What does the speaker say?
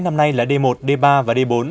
năm nay là d một d ba và d bốn